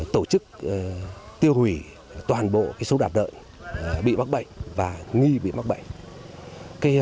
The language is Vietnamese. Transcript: tổ chức tiêu hủy toàn bộ số đạp lợn bị mắc bệnh và nghi bị mắc bệnh